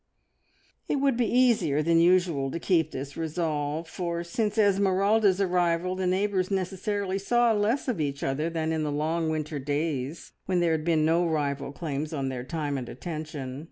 It would be easier than usual to keep this resolve, for since Esmeralda's arrival the neighbours necessarily saw less of each other than in the long winter days when there had been no rival claims on their time and attention.